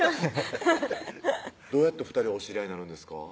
フフフッどうやって２人はお知り合いになるんですか？